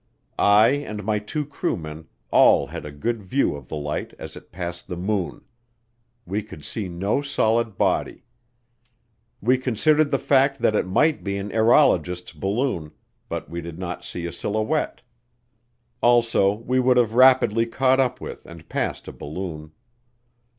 I and my two crewmen all had a good view of the light as it passed the moon. We could see no solid body. We considered the fact that it might be an aerologist's balloon, but we did not see a silhouette. Also, we would have rapidly caught up with and passed a balloon.